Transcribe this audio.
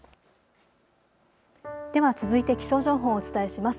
では続いて気象情報をお伝えします。